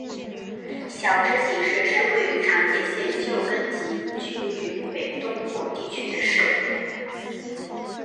筱之井市是位于长野县旧更级郡域北东部地区的市。